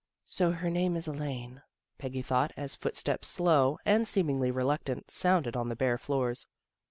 " So her name is Elaine," Peggy thought, as foot steps slow, and seemingly reluctant, sounded on the bare floors.